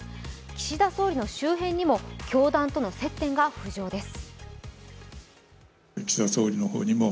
岸田総理の周辺にも教団との接点が浮上です。